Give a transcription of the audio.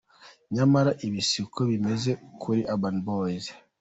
Nyamara ibi siko bimeze kuri Urban boyz.